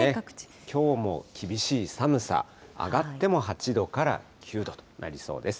きょうも厳しい寒さ、上がっても８度から９度となりそうです。